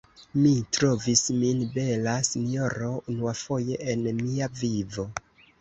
Mi trovis min bela, sinjoro, unuafoje en mia vivo.